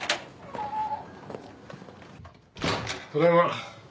ただいま。